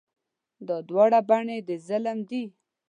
دا دواړه بڼې د ظلم دي.